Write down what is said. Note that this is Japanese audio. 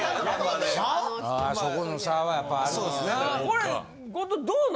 そこの差はやっぱあるんやな。